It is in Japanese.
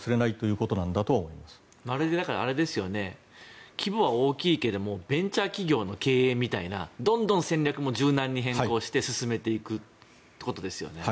とれないものは規模は大きいけどもベンチャー企業の経営みたいなどんどん戦略も柔軟に変更して進めていくということですよね。